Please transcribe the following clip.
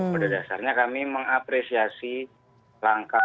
pada dasarnya kami mengapresiasi langkah